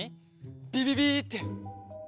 ビビビッて。